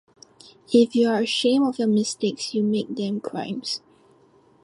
If you are ashamed of your mistakes, you make them crimes.